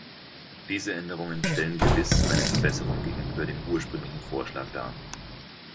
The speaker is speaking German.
Diese Änderungen stellen gewiss eine Verbesserung gegenüber dem ursprünglichen Vorschlag dar.